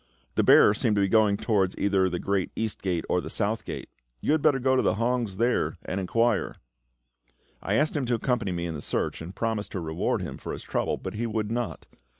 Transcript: The bearer seemed to be going towards either the Great East Gate or the South Gate; you had better go to the hongs there and inquire." I asked him to accompany me in the search, and promised to reward him for his trouble, but he would not.